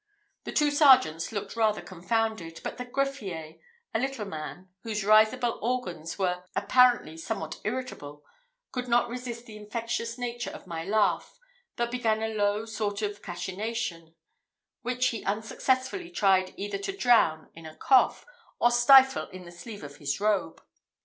The two sergeants looked rather confounded; but the greffier, a little man, whose risible organs were apparently somewhat irritable, could not resist the infectious nature of my laugh, but began a low sort of cachinnation, which he unsuccessfully tried either to drown in a cough or stifle in the sleeve of his robe.